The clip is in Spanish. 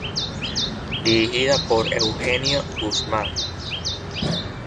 Dirigida por Eugenio Guzmán.